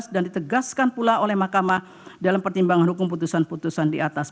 dan ditegaskan pula oleh mahkamah dalam pertimbangan hukum putusan putusan diatas